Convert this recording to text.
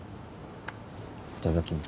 いただきます。